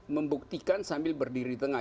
membuktikan sambil berdiri tengah